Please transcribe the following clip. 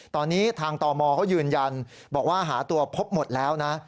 ตอนนี้ทางตมเขายืนยันบอกว่าหาตัวพบหมดแล้วนะ